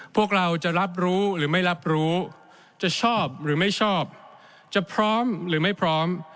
พวกเราจะรับรู้หรือไม่รับรู้จะชอบหรือไม่ชอบจะพร้อมหรือไม่พร้อม